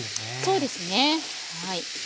そうですねはい。